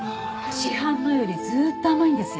市販のよりずっと甘いんですよ。